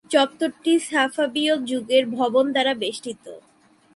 চত্বরটি সাফাবীয় যুগের ভবন দ্বারা বেষ্টিত।